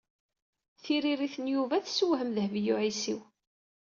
Tiririt n Yuba tessewhem Dehbiya u Ɛisiw.